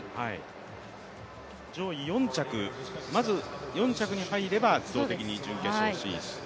上位４着、まず４着に入れば自動的に準決勝進出。